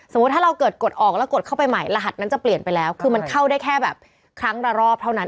ถ้าเราเกิดกดออกแล้วกดเข้าไปใหม่รหัสนั้นจะเปลี่ยนไปแล้วคือมันเข้าได้แค่แบบครั้งละรอบเท่านั้น